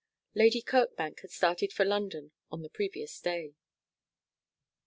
Lady Kirkbank had started for London on the previous day.